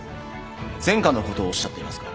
前科のことをおっしゃっていますか？